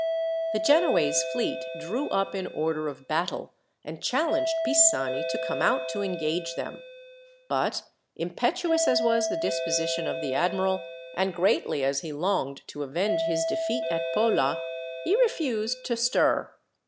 The Genoese fleet drew up in order of battle, and challenged Pisani to come out to engage them. But, impetuous as was the disposition of the admiral, and greatly as he longed to avenge his defeat at Pola, he refused to stir.